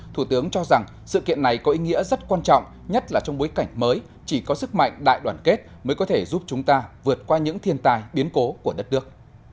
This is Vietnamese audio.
thủ tướng cho rằng sự kiện này có ý nghĩa rất quan trọng nhất là trong bối cảnh mới chỉ có sức mạnh đại đoàn kết mới có thể giúp chúng ta vượt qua những thiên tài biến cố của đất nước